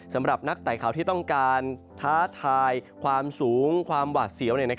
สำหรับนักไต่เขาที่ต้องการท้าทายความสูงความหวาดเสียว